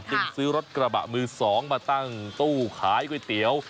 จึงซื้อรถกระบะมือ๒มาตั้งตู้ขายก๋วยเตี๋ยว